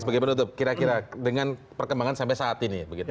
sebagai penutup kira kira dengan perkembangan sampai saat ini